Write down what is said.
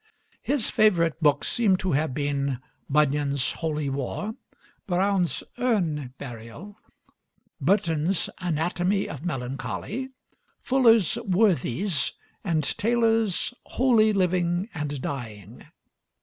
His favorite books seem to have been Bunyan's "Holy War," Browne's "Urn Burial," Burton's "Anatomy of Melancholy," Fuller's "Worthies," and Taylor's "Holy Living and Dying."